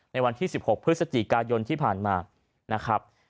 ในวันที่๑๖พฤศจิกายนที่ผ่านมานะครับ